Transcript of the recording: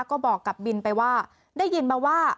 ก็บอกกับบินไปว่าได้ยินมาว่า